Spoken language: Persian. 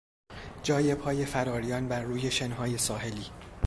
جای پای فراریان برروی شنهای ساحلی